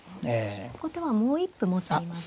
後手はもう一歩持っていますか。